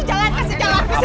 aduh pak rt